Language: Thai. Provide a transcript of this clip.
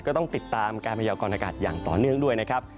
ก็ต้องติดตามการพยากรณากาศอย่างต่อเนื่องด้วยนะครับ